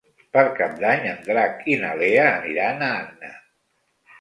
Per Cap d'Any en Drac i na Lea aniran a Anna.